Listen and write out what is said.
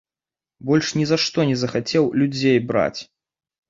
Больш нізашто не захацеў людзей браць.